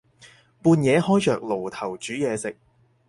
半夜開着爐頭煮嘢食